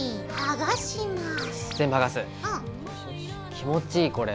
気持ちいいこれ。